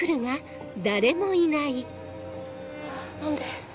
何で？